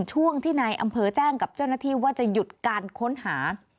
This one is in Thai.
ช่วงที่นายอำเภอแจ้งกับเจ้าหน้าที่ว่าจะหยุดการค้นหา